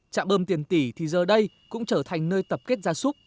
trạm bơm tiền tỷ thì giờ đây cũng trở thành nơi tập kết gia súc